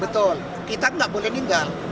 betul kita nggak boleh ninggal